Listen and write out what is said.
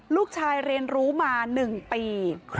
ลูกชายเรียนรู้มา๑ปี